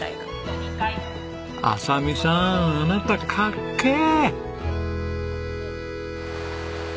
亜沙美さんあなたかっけえ！